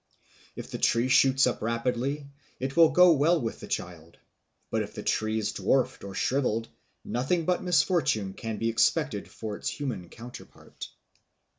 If the tree shoots up rapidly, it will go well with the child; but if the tree is dwarfed or shrivelled, nothing but misfortune can be expected for its human counterpart.